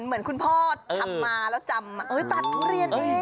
เหมือนคุณพ่อทำมาแล้วจำตัดทุเรียนเอง